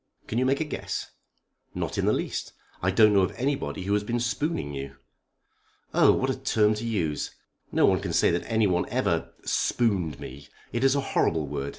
Can you make a guess?" "Not in the least. I don't know of anybody who has been spooning you." "Oh, what a term to use! No one can say that anyone ever spooned me. It is a horrible word.